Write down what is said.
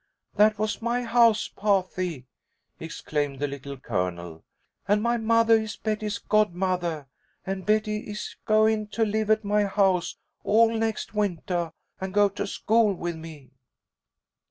"That was my house pahty," exclaimed the Little Colonel, "and my mothah is Betty's godmothah, and Betty is goin' to live at my house all next wintah, and go to school with me."